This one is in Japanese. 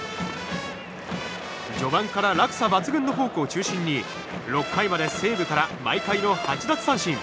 序盤から落差抜群のフォークを中心に６回まで西武から毎回の８奪三振。